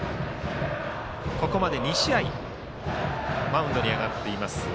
ここまで２試合マウンドに上がっています